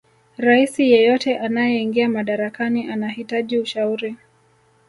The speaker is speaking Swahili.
raisi yeyote anayeingia madarakani anahitaji ushauri